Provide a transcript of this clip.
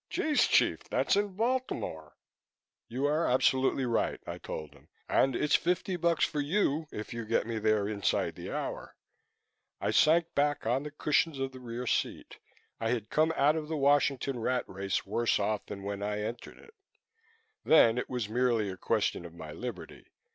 "Jeeze, Chief! That's in Baltimore." "You are absolutely right," I told him, "and it's fifty bucks for you if you get me there inside the hour." I sank back on the cushions of the rear seat. I had come out of the Washington rat race worse off than when I had entered it. Then it was merely a question of my liberty.